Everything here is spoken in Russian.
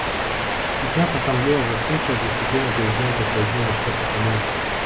Сейчас Ассамблея заслушает выступление президента Соединенных Штатов Америки.